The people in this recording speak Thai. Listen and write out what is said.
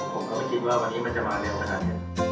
ผมก็ไม่คิดว่าวันนี้จะมาเร็วกระดาษ